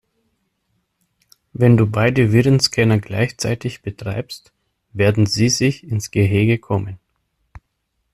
Wenn du beide Virenscanner gleichzeitig betreibst, werden sie sich ins Gehege kommen.